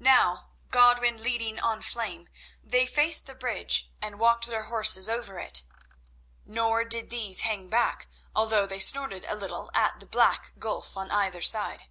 Now, Godwin leading on Flame, they faced the bridge and walked their horses over it. Nor did these hang back, although they snorted a little at the black gulf on either side.